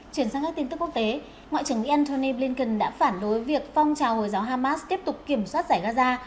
chuyển sang các tin tức quốc tế ngoại trưởng anthony blinken đã phản đối việc phong trào hồi giáo hamas tiếp tục kiểm soát giải gaza